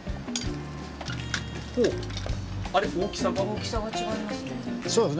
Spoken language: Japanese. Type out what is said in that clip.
大きさが違いますね。